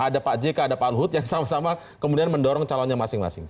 ada pak jk ada pak luhut yang sama sama kemudian mendorong calonnya masing masing